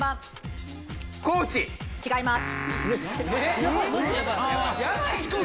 違います。